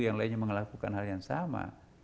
yang lainnya melakukan hal yang sama